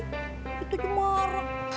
oh iya itu aja marah